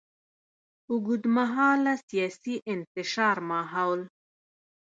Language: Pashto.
د اوږدمهاله سیاسي انتشار ماحول.